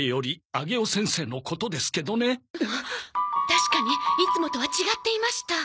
確かにいつもとは違っていました。